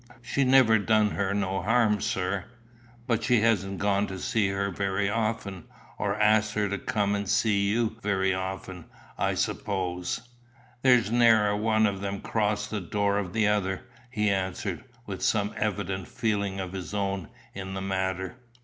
"She's never done her no harm, sir." "But she hasn't gone to see her very often, or asked her to come and see you very often, I suppose?" "There's ne'er a one o' them crossed the door of the other," he answered, with some evident feeling of his own in the matter.